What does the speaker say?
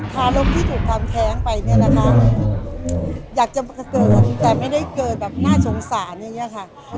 ทารกที่ถูกทำแท้งไปเนี่ยนะคะอยากจะเกิดแต่ไม่ได้เกิดแบบน่าสงสารอย่างนี้ค่ะ